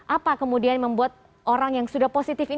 apa yang membuat orang yang sudah positif